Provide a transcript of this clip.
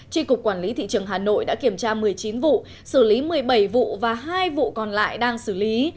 tri cục quản lý thị trường hà nội đã kiểm tra một mươi chín vụ xử lý một mươi bảy vụ và hai vụ còn lại đang xử lý